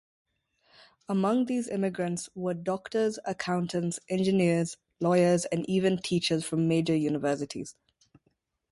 Among these immigrants were doctors, accountants, engineers, lawyers and even teachers from major universities.